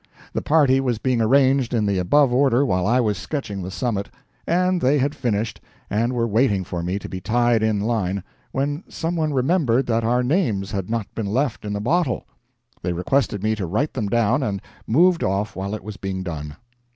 The party was being arranged in the above order while I was sketching the summit, and they had finished, and were waiting for me to be tied in line, when some one remembered that our names had not been left in a bottle. They requested me to write them down, and moved off while it was being done.